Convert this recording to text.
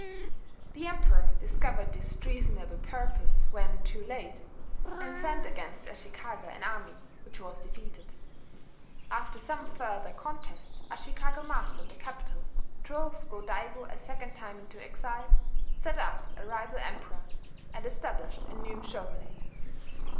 The Emperor discovered this treasonable purpose when too late, and sent against Ashikaga an army which was defeated. After some further contest Ashikaga mastered the capital, drove Go Daigo a second time into exile, set up a rival Emperor, and established a new shogunate.